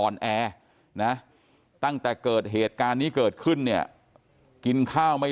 แอนะตั้งแต่เกิดเหตุการณ์นี้เกิดขึ้นเนี่ยกินข้าวไม่